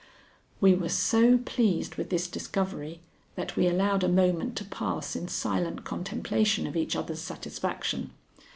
We were so pleased with this discovery that we allowed a moment to pass in silent contemplation of each other's satisfaction.